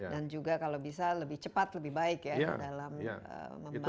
dan juga kalau bisa lebih cepat lebih baik ya dalam membangun